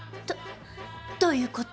どどういう事？